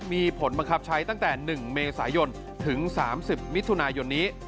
มีผลบังคับใช้ตั้งแต่๑เมษายนถึง๓๐มิถุนายนนี้